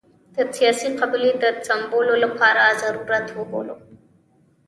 د سیاسي قبلې د سمولو لپاره ضرورت وبولو.